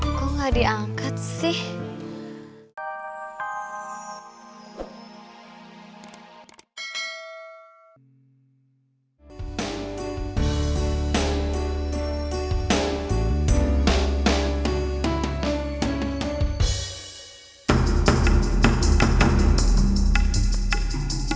kok gak diangkat sih